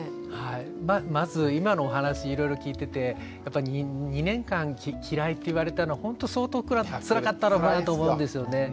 まず今のお話いろいろ聞いててやっぱり２年間嫌いって言われたのほんと相当これはつらかったろうと思うんですよね。